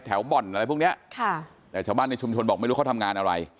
บ่อนอะไรพวกเนี้ยค่ะแต่ชาวบ้านในชุมชนบอกไม่รู้เขาทำงานอะไร